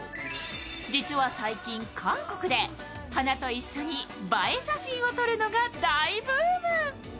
実は最近、韓国で、花と一緒に映え写真を撮るのが大ブーム。